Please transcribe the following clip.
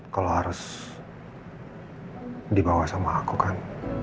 kalau harus dibawa sama aku kan